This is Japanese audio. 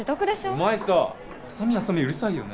お前さ浅見浅見うるさいよね